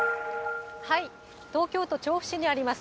東京都調布市にあります